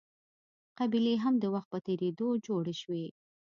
قبیلې هم د وخت په تېرېدو جوړې شوې.